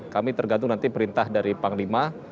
kami tergantung nanti perintah dari panglima